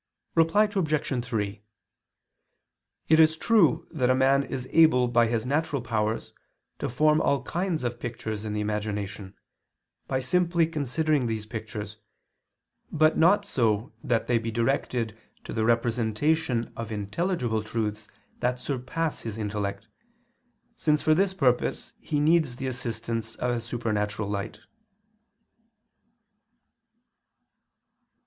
Reply Obj. 3: It is true that man is able by his natural powers to form all kinds of pictures in the imagination, by simply considering these pictures, but not so that they be directed to the representation of intelligible truths that surpass his intellect, since for this purpose he needs the assistance of a supernatural light.